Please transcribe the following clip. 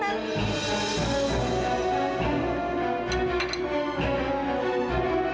kalau nggak yaudah